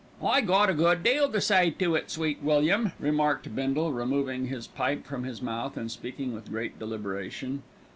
"I got a good deal to say to it, Sweet William," remarked Bindle, removing his pipe from his mouth and speaking with great deliberation.